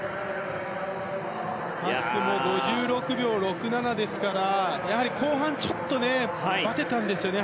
ハスクも５６秒６７ですからやはり後半ちょっとバテたんですよね